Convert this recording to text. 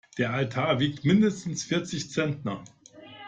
Der Altar wiegt mindestens vierzig Zentner.